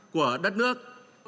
của đất nước